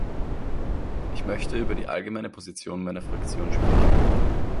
Ich möchte über die allgemeine Position meiner Fraktion sprechen.